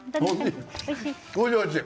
おいしい、おいしい。